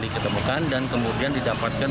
diketemukan dan kemudian didapatkan